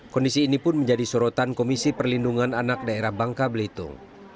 kondisi ini pun menjadi sorotan komisi perlindungan anak daerah bangka belitung